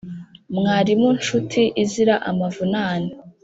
Mwarimu nshuti izira amavunane